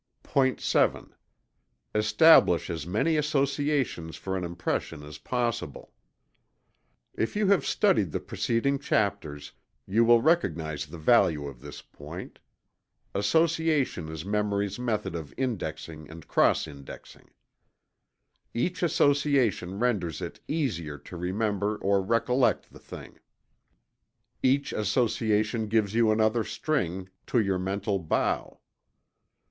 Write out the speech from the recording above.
POINT VII. Establish as many associations for an impression, as possible. If you have studied the preceding chapters, you will recognize the value of this point. Association is memory's method of indexing and cross indexing. Each association renders it easier to remember or recollect the thing. Each association gives you another string to your mental bow.